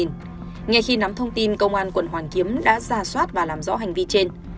ngay khi nắm thông tin công an quận hoàn kiếm đã ra soát và làm rõ hành vi trên